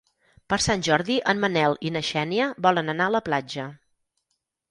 Per Sant Jordi en Manel i na Xènia volen anar a la platja.